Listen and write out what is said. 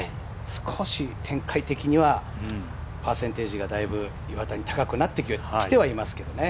少し展開的にはパーセンテージがだいぶ岩田に高くなってきてはいますけどね。